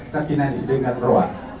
nangkinani sidengan roa